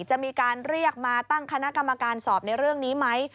จะมีการเรียกมาตั้งคณะกรรมการสอบในเรื่องนี้ไหม